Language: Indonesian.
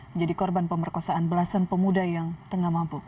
menjadi korban pemerkosaan belasan pemuda yang tengah mampu